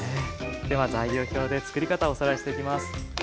では材料表で作り方おさらいしていきます。